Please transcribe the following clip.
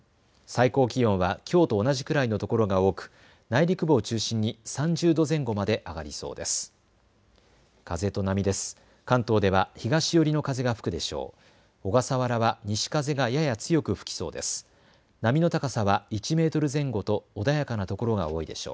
最高気温はきょうと同じくらいの所が多く内陸部を中心に３０度前後まで上がりそうです。